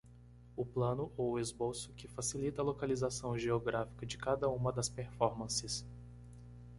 O plano ou esboço, que facilita a localização geográfica de cada uma das performances.